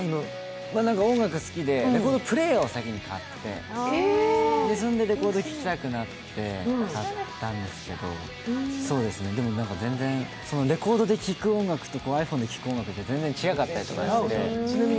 音楽好きで、レコードプレイヤーを先に買ってそれでレコードが聞きたくなって買ったんですけどでも、レコードで聴く音楽とｉＰｈｏｎｅで聴く音楽って全然違いますよね。